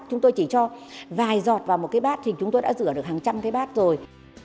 chúng tôi chỉ cho vài giọt vào một cái bát thì chúng tôi đã rửa được hàng trăm cái bát rồi